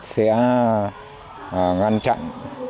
sẽ ngăn chặn